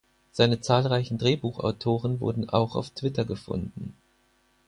Seine zahlreichen Drehbuchautoren wurden auch auf Twitter gefunden.